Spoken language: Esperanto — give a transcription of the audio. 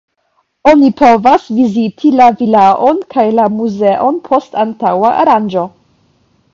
Oni povas viziti la vilaon kaj la muzeon post antaŭa aranĝo.